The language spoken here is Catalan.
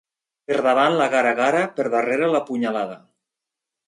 Per davant la gara-gara, per darrere la punyalada.